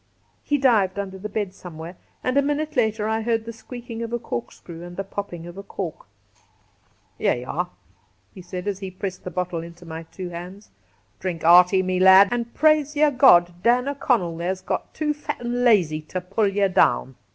He dived under the bed somewhere, and a minute later I heard the squeaking of a corkscrew and the popping of a cork. 9 1 30 Cassidy ' Here y' are,' said he, as he pressed the bottle into my two hands ;' drink hearty, me lad, and praise yer God Dan O'ConneU there's got too fat an' lazy to puUye down.'